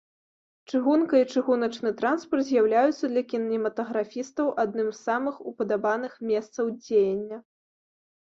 Чыгунка і чыгуначны транспарт з'яўляюцца для кінематаграфістаў адным з самых упадабаных месцаў дзеяння.